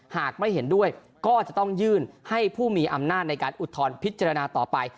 หากไม่เห็นด้วยก็จะต้องยื่นให้ผู้มีอำนาจในการอุทธรณ์พิจารณาต่อไป